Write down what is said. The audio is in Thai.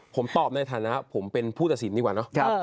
ผมตอบในฐานะผมเป็นผู้ตัดสินดีกว่าเนอะ